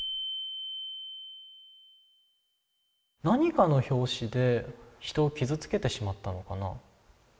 何かの拍子で人を傷つけてしまったのかな。